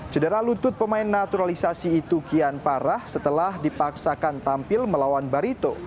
cedera lutut pemain naturalisasi itu kian parah setelah dipaksakan tampil melawan barito